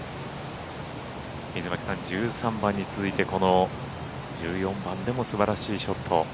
水巻さん、１３番に続いてこの１４番でも素晴らしいショット。